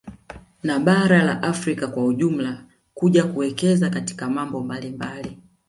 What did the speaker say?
Na bara la Afrika kwa ujumla kuja kuwekeza katika mambo mbalimmbali